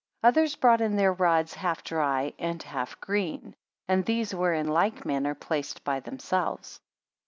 Others brought in their rods half dry and half green, and these were in like manner placed by themselves.